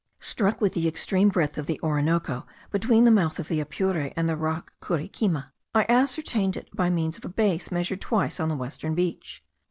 Struck with the extreme breadth of the Orinoco, between the mouth of the Apure and the rock Curiquima, I ascertained it by means of a base measured twice on the western beach.